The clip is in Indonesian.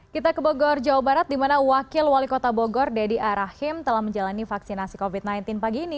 kita ke bogor jawa barat di mana wakil wali kota bogor deddy arahim telah menjalani vaksinasi covid sembilan belas pagi ini